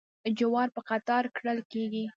جوار په قطار کرل کیږي.